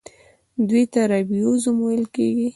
دوی ته رایبوزوم ویل کیږي.